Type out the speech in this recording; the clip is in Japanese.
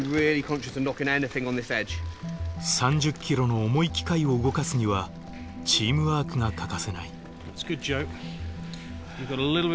３０ｋｇの重い機械を動かすにはチームワークが欠かせない。